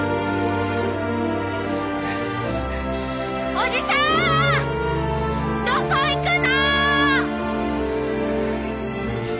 おじさんどこ行くの！？